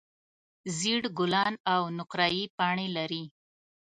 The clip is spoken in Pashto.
زېړ ګلان او نقریي پاڼې لري.